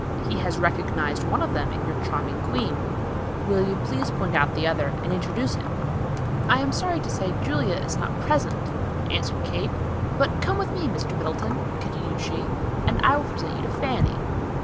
He has recognized one of them in your charming queen. Will you please point out the other and introduce him?" "I am sorry to say Julia is not present," answered Kate. "But come with me, Mr. Middleton," continued she, "and I will present you to Fanny."